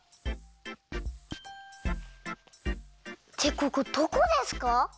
ここどこですか？